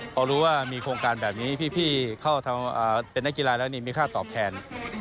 พอรู้ว่ามีโครงการแบบนี้พี่เข้าทำเป็นนักกีฬาแล้วนี่มีค่าตอบแทน